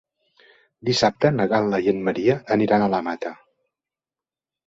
Dissabte na Gal·la i en Maria aniran a la Mata.